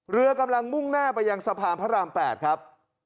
เรือกำลังมุ่งหน้าไปยังสะพานพระราม๘ครับ